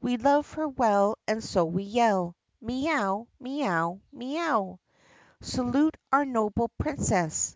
We love her well and so we yell Mee ow! mee ow ! mee ow! Salute our nohle Princess!